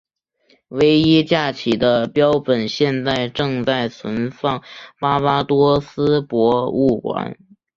唯一架起的标本现正存放在巴巴多斯博物馆。